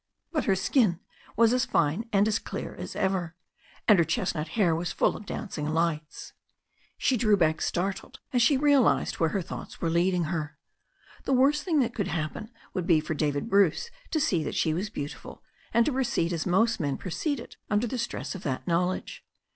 But her skin was as fine and as clear as ever, and her chestnut hair was full of dancing lights. She drew back startled as she realized where her thoughts were leading her. The worst thing that could happen would be for David Bruce to see that she was beautiful, and to proceed as most men proceeded under the stress of that knowledge.